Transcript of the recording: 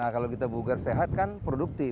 kalau kita bugar sehat kan produktif